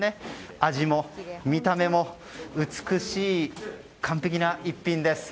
味も見た目も美しい完璧な逸品です。